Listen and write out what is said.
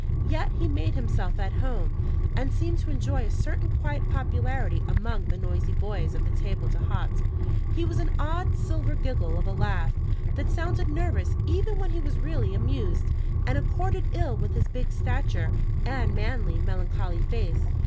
Yet he had made himself at home, and seemed to enjoy a certain quiet popularity among the noisy boys of the table d'hote. He had an odd, silver giggle of a laugh, that sounded nervous even when he was really amused, and accorded ill with his big stature and manly, melancholy face.